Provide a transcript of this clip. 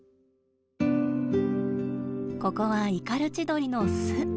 ここはイカルチドリの巣。